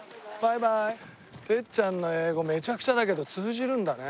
てっちゃんの英語めちゃくちゃだけど通じるんだね。